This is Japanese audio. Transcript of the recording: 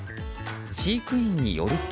飼育員によると。